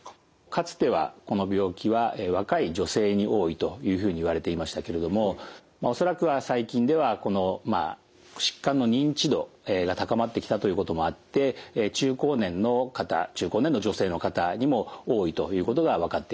かつてはこの病気は若い女性に多いというふうにいわれていましたけれども恐らくは最近ではこの疾患の認知度が高まってきたということもあって中高年の方中高年の女性の方にも多いということが分かってきました。